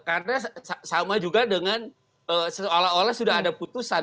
karena sama juga dengan seolah olah sudah ada putusan